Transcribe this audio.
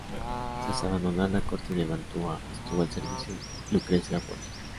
Tras abandonar la Corte de Mantua, estuvo al servicio de Lucrecia Borgia.